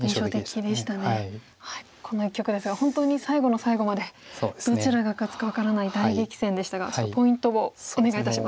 この一局ですが本当に最後の最後までどちらが勝つか分からない大激戦でしたがちょっとポイントをお願いいたします。